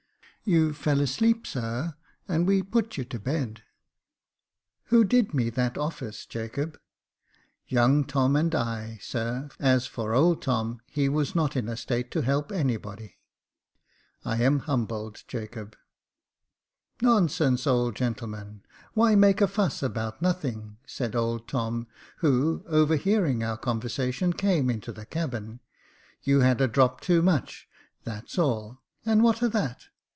You fell asleep, sir, and we put you to bed." Who did me that office, Jacob ?"" Young Tom and I, sir j as for old Tom, he was not in a state to help anybody." " I am humbled, Jacob —"Nonsense, old gentleman ; why make a fuss about nothing ?" said old Tom, who, overhearing our con versation, came into the cabin. *' You had a drop too much, that's all, and what o' that